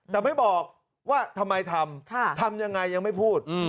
แต่ไม่บอกว่าทำไมทำทำยังไงยังไม่พูด